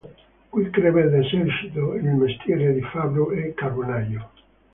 Qui crebbe ed esercitò il mestiere di fabbro e carbonaio.